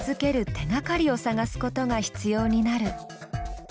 手がかりを探すことが必要になる。